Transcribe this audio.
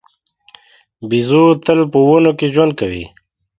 بیزو تل په ونو کې ژوند کوي.